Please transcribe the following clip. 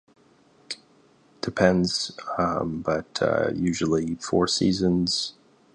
Depends but usually four seasons.